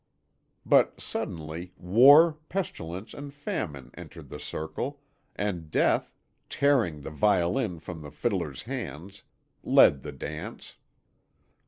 But suddenly War, Pestilence, and Famine entered the circle, and Death, tearing the violin from the fiddler's hands, led the dance.